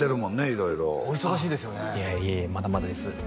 いえいえまだまだです